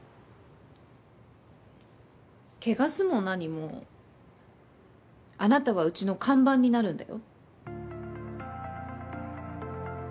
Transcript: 汚すも何もあなたはうちの看板になるんだよ。